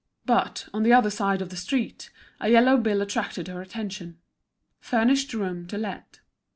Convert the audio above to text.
But, on the other side of the street, a yellow bill attracted her attention. "Furnished room to let."